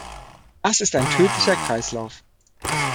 Das ist ein tödlicher Kreislauf.